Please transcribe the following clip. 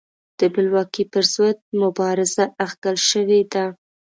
د بلواکۍ پر ضد مبارزه اغږل شوې ده.